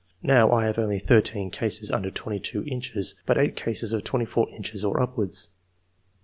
Now, I have only thirteen cases under 22 inches, but eight cases of 24 inches or upwards.